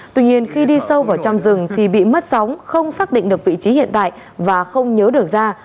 tuy nhiên khi đi sâu vào trong rừng thì bị mất sóng không xác định được vị trí hiện tại và không nhớ được ra